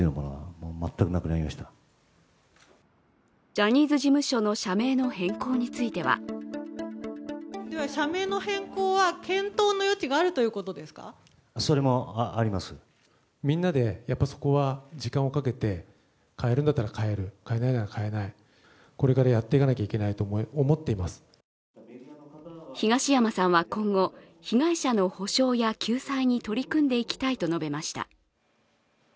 ジャニーズ事務所の社名の変更については東山さんは今後、被害者の補償や救済に取り組んでいきたいと述べました。